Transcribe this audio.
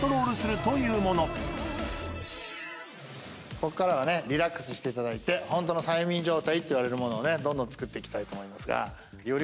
ここからはリラックスしてホントの催眠状態といわれるものをどんどんつくっていきたいと思いますが。